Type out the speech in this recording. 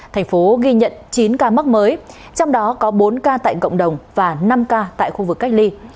thành phố ghi nhận chín ca mắc mới trong đó có bốn ca tại cộng đồng và năm ca tại khu vực cách ly